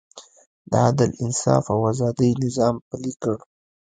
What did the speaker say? د عدل، انصاف او ازادۍ نظام پلی کړ.